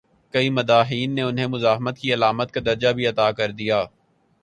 کئی مداحین نے انہیں مزاحمت کی علامت کا درجہ بھی عطا کر دیا۔